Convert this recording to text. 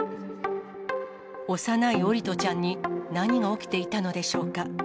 幼い桜利斗ちゃんに何が起きていたのでしょうか。